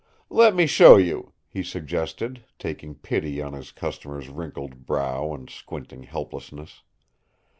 "Let me show you," he suggested, taking pity on his customer's wrinkled brow and squinting helplessness.